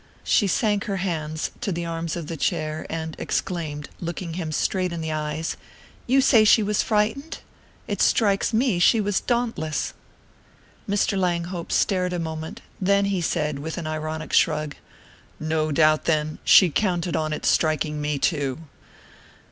She sank her hands to the arms of the chair, and exclaimed, looking him straight in the eyes: "You say she was frightened? It strikes me she was dauntless!" Mr. Langhope stared a moment; then he said, with an ironic shrug: "No doubt, then, she counted on its striking me too."